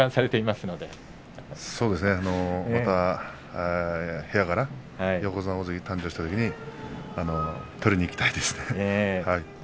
また部屋から横綱、大関が誕生したときに取りにいきたいですね。